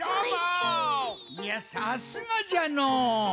いやさすがじゃのう。